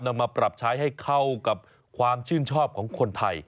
นำมาปรับใช้ให้เข้ากับความชื่นชอบของคนไทย